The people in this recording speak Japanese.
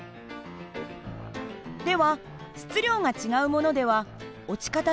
では質量が違うものでは落ち方に違いがあるでしょうか？